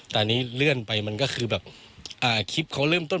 แต่อันนี้เลื่อนไปมันก็คือแบบคลิปเขาเริ่มต้น